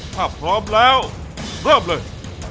ถ้าพร้อมแล้วเริ่มเลย